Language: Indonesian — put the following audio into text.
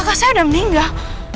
kakak saya udah meninggal